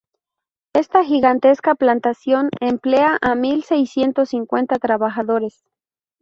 Esta gigantesca plantación emplea a mil seiscientos cincuenta trabajadores.